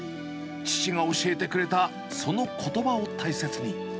父が教えてくれたそのことばを大切に。